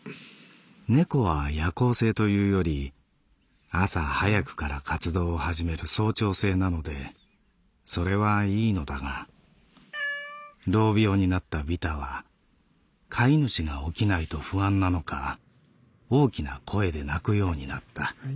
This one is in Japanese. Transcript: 「猫は夜行性というより朝早くから活動を始める早朝性なのでそれはいいのだが老猫になったビタは飼い主が起きないと不安なのか大きな声で鳴くようになった」。